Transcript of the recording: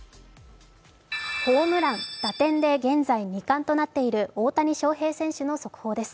ホームラン、打点で現在２冠となっている大谷翔平選手の速報です。